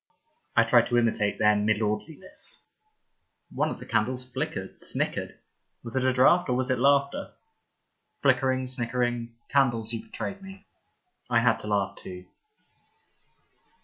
I tried to imitate their milordliness. One of the candles flickered, snickered. Was it a draught or was it laughter ? Flickering, snickering — candles, you betrayed me. I had to laugh too.